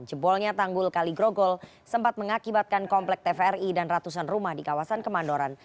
jebolnya tanggul kali grogol sempat mengakibatkan kompleks tvri dan ratusan rumah di kawasan kemandoran